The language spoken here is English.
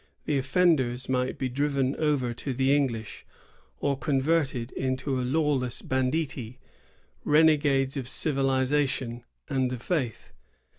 The offenders might be driven over to the English, or converted into a lawless banditti, — renegades of civilization and the faith.